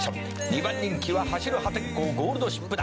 「２番人気は走る破天荒ゴールドシップだ」